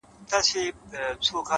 پيل كي وړه كيسه وه غـم نه وو؛